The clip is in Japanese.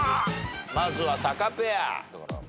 まずはタカペア。